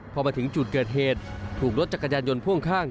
พอมาถึงจุดเกิดเหตุถูกรถจักรยานยนต์พ่วงข้าง